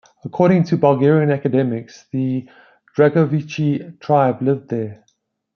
According to Bulgarian academics, the Dragovichi tribe lived there.